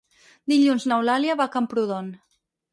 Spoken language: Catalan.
Dilluns n'Eulàlia va a Camprodon.